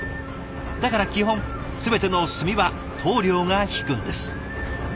だから基本全ての墨は棟梁が引くんです。